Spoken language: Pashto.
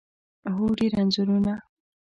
هو، ډیر انځورونه